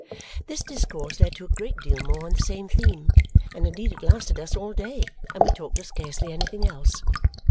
This discourse led to a great deal more on the same theme, and indeed it lasted us all day, and we talked of scarcely anything else.